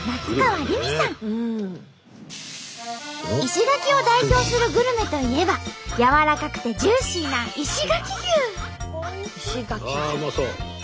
石垣を代表するグルメといえばやわらかくてジューシーなああうまそう！